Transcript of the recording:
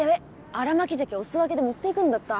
新巻鮭お裾分けで持っていくんだった。